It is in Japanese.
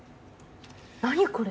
何これ！